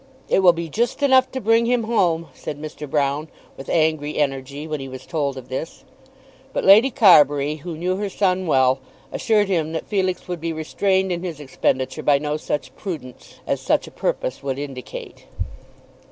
"It will be just enough to bring him home," said Mr. Broune with angry energy when he was told of this. But Lady Carbury, who knew her son well, assured him that Felix would be restrained in his expenditure by no such prudence as such a purpose would indicate.